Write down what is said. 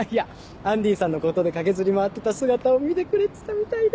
アンディさんのことで駆けずり回ってた姿を見てくれてたみたいで！